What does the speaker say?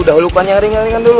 dahulu kan yang ringan ringan dulu